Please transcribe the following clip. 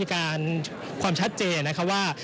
ยังไม่สามารถระบุได้การความชัดเจนนะครับว่า